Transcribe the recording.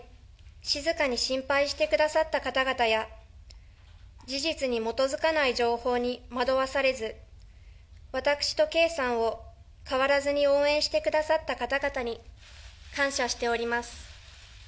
静かに心配してくださった方々や、事実に基づかない情報に惑わされず、私と圭さんを変わらずに応援してくださった方々に感謝しております。